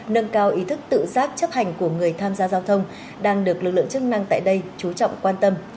nâng cao ý thức tự giác chấp hành của người tham gia giao thông đang được lực lượng chức năng tại đây chú trọng quan tâm